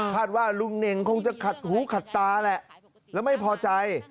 ว่าลุงเน่งคงจะขัดหูขัดตาแหละแล้วไม่พอใจ